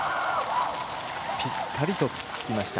ぴったりとくっつきました。